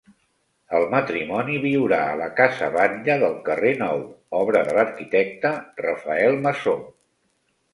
El matrimoni viurà a la Casa Batlle del Carrer Nou, obra de l’arquitecte Rafael Masó.